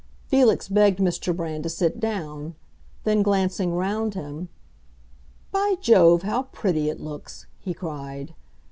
Felix begged Mr. Brand to sit down; then glancing round him, "By Jove, how pretty it looks!" he cried.